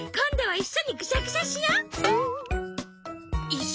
いっしょに？